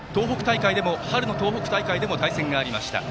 春の東北大会でも対戦がありました。